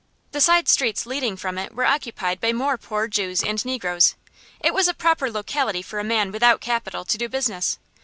The side streets leading from it were occupied by more poor Jews and Negroes. It was a proper locality for a man without capital to do business.